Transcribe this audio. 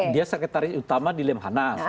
dia sekretaris utama di lemhanas